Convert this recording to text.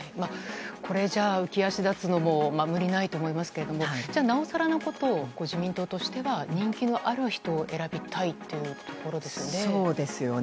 これじゃあ浮き足立つのも無理ないと思いますけどじゃあ、なおさらのこと自民党としては人気のある人を選びたいというところですよね。